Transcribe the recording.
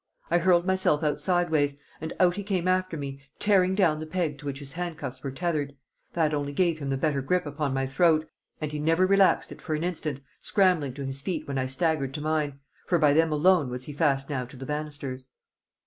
I hurled myself out sideways, and out he came after me, tearing down the peg to which his handcuffs were tethered; that only gave him the better grip upon my throat, and he never relaxed it for an instant, scrambling to his feet when I staggered to mine, for by them alone was he fast now to the banisters.